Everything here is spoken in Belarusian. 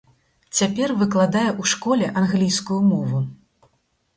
Цяпер выкладае ў школе англійскую мову.